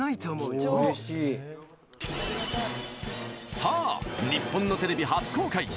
さあ、日本のテレビ初公開。